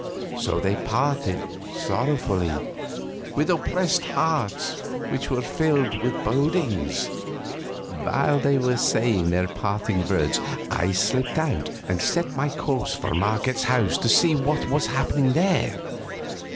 So they parted sorrowfully, with oppressed hearts which were filled with bodings. While they were saying their parting words I slipped out and set my course for Marget's house to see what was happening there.